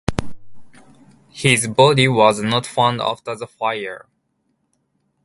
His body was not found after the fire.